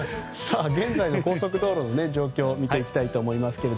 現在の高速道路の状況を見ていきたいと思います。